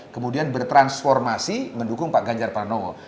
kemudian bertransformasi mendukung pak ganjar pranowo